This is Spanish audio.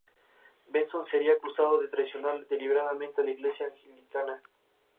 Benson sería acusado de traicionar deliberadamente a la Iglesia Anglicana, y fue gravemente insultado.